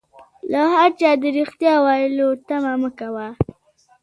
له هر چا د ريښتيا ويلو تمه مکوئ